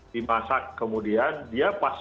dimasak kemudian dia pas